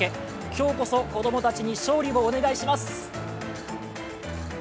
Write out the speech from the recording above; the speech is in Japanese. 今日こそ子供たちに勝利をお願いします。